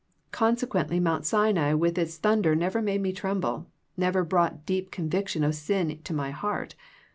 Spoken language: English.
Consequently Mount Sinai with its thunder never made me tremble, never brought deep con viction of sin to my heart.